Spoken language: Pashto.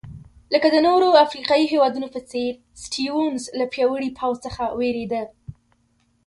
لکه د نورو افریقایي هېوادونو په څېر سټیونز له پیاوړي پوځ څخه وېرېده.